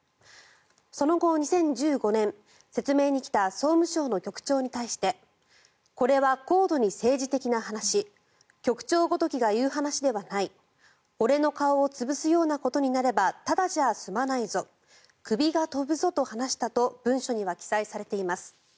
その後、２０１５年説明に来た総務省の局長に対してこれは高度に政治的な話局長ごときが言う話ではない俺の顔を潰すようなことになればただじゃあ済まないぞ首が飛ぶぞと話したと文書には記載されています。